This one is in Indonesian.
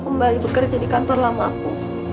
kembali bekerja di kantor lama aku